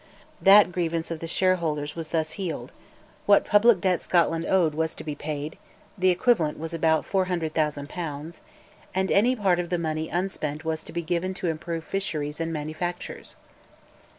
That grievance of the shareholders was thus healed, what public debt Scotland owed was to be paid (the Equivalent was about 400,000 pounds), and any part of the money unspent was to be given to improve fisheries and manufactures.